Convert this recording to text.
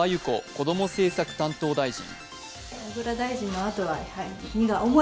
こども政策担当大臣。